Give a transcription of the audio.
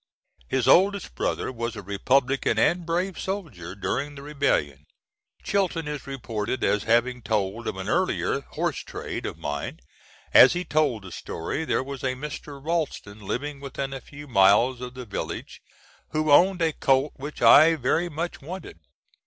His oldest brother was a Republican and brave soldier during the rebellion. Chilton is reported as having told of an earlier horse trade of mine. As he told the story, there was a Mr. Ralston living within a few miles of the village, who owned a colt which I very much wanted.